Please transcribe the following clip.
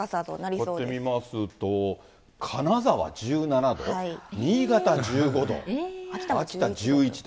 こうやって見ますと、金沢１７度、新潟１５度、秋田１１度。